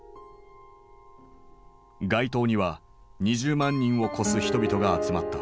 街頭には２０万人を超す人々が集まった。